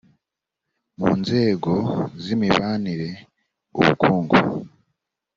mu nzego z imibanire ubukungu